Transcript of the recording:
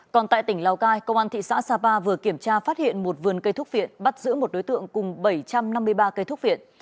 còn tại tỉnh lào cai công an thị xã sapa vừa kiểm tra phát hiện một vườn cây thúc viện bắt giữ một đối tượng cùng bảy trăm năm mươi ba cây thúc viện